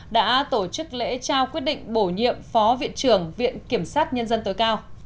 đã tổ chức lễ trao quyết định bổ nhiệm phó viện trưởng viện kiểm sát nhân dân tối cao